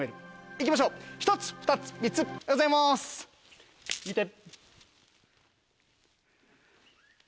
いきましょう１つ２つ３つおはようございます見て。